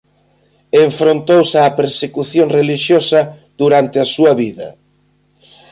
Enfrontouse á persecución relixiosa durante a súa vida.